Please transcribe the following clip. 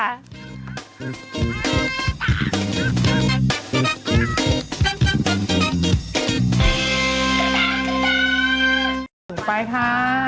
ขอบคุณค่ะ